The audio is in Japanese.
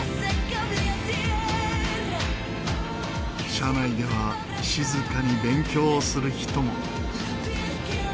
車内では静かに勉強する人も。